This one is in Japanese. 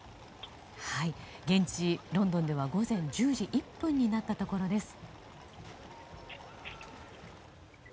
現地ロンドンでは午前１０時１分になったところです。